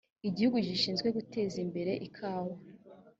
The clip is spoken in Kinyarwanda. igihugu gishinzwe guteza imbere ikawa